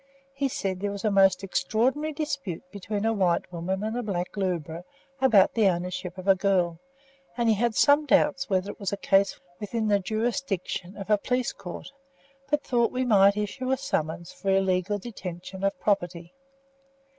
He said there was a most extraordinary dispute between a white woman and a black lubra about the ownership of a girl, and he had some doubts whether it was a case within the jurisdiction of a police court, but thought we might issue a summons for illegal detention of property.